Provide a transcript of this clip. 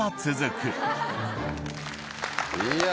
いや